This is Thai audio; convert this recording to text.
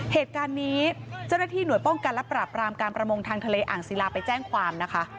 เหตุการณ์นี้เจ้าหน้าที่หน่วยป้องกันและปราบรามการประมงทางทะเลอ่างศิลาไปแจ้งความนะคะ